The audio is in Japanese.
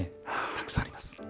たくさんあります。